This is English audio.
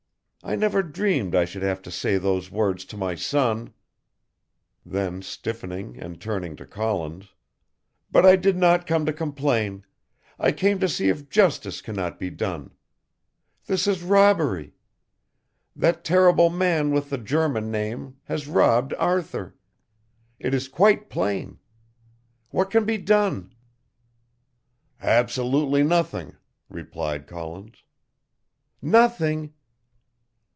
I never dreamed I should have to say those words to my son." Then stiffening and turning to Collins. "But I did not come to complain, I came to see if justice cannot be done. This is robbery. That terrible man with the German name has robbed Arthur. It is quite plain. What can be done?" "Absolutely nothing," replied Collins. "Nothing?"